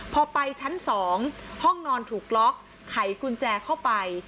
พอไปชั้น๒ห้องนอนถูกล็อกไขกุญแจเข้าไป